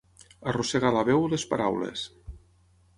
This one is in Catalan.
Arrossegar la veu o les paraules.